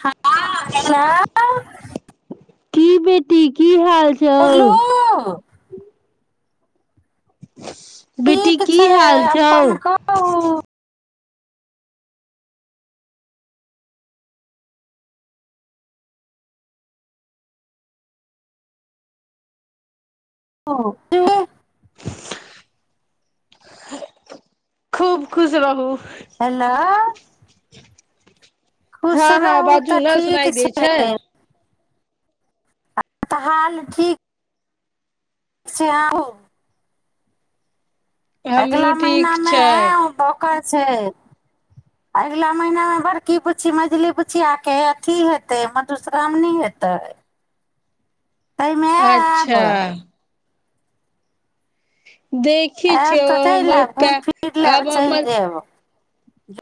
हँ हेलो की बी टी की हाल छउ हेलो [inaudible] बेटी ठीक की छै हाल अपन छौ कहू ओ खूब खुश रहू हेलो खुश हँ हँ रहू बाजू तऽ न ठीक सुनाई दे छै तऽ हाल ठीक से आू हमरो अगला महिना ठीक मे है छै ओकर छै अगिला महिनामे बड़की बु्छी मझली बुछिआकेऽ अथी हेतै मधुश्राावणी हेतै एहिमे आब अच्छा ह देखी छैिय आयब तऽ चलि आयब हमर घुमि फिर लेब आब चलि हमर जायब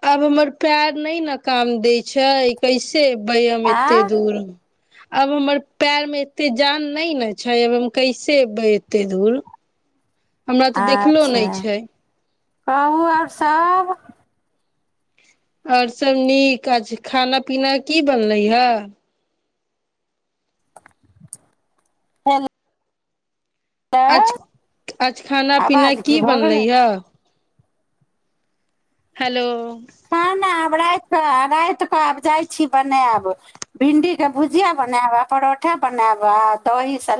आब हमर पैर नहि न काम दै छै कैसे अयबैय हम एते आ दूर आब हमर पैर मे एते जान नहि ने छै अब हम कैसे एबै एतेक दूर हमरा तऽ देखलो अच्छा नहि छै कहू आओर सभ आओर सभ नीक अछि खाना पीना की बनलै हे हल आज आज खाना पीना आवाज की भऽ बनलै गेलै हेय हेलो खाना रायता राति कें जाइ छी बनायब भिंडी के भुजिया बनाब परोठा बनाब दही